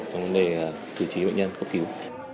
trong vấn đề xử trí bệnh nhân cấp cứu